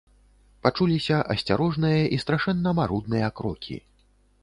Пачуліся асцярожныя і страшэнна марудныя крокі.